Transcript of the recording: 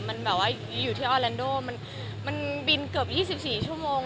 มันแบบว่าอยู่ที่ออแลนโดมันบินเกือบ๒๔ชั่วโมง